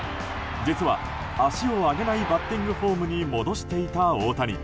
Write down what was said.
実は、足を上げないバッティングフォームに戻していた大谷。